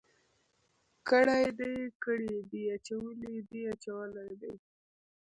کړي دي، کړی دی، اچولی دی، اچولي دي.